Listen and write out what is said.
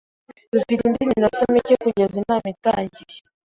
Dufite indi minota mike kugeza inama itangiye.